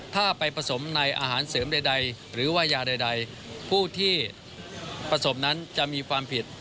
ถ้าไปผสมในอาหารเสริมใดหรือว่ายาใดผู้ที่ผสมนั้นจะมีความผิด